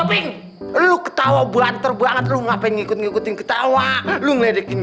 lupa bingung lu ketawa buantar banget lu ngapain ngikut ngikutin ketawa lu ngeledekin